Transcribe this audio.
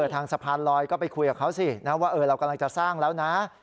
ทางสะพานลอยก็ไปคุยกับเขาสินะว่าเรากำลังจะสร้างแล้วนะ